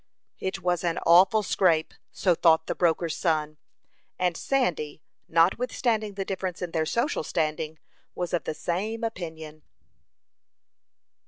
It was an awful scrape: so thought the broker's son; and Sandy, notwithstanding the difference in their social standing, was of the same opinion.